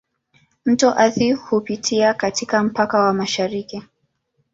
Mto Athi hupitia katika mpaka wa mashariki.